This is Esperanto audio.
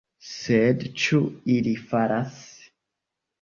Sed ĉu ili faras?